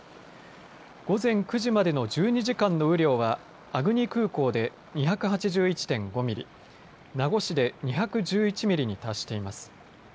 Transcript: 午前９時までの１２時間の雨量は粟国空港で２８１．５ミリ、名護市で２１１ミリに達しています。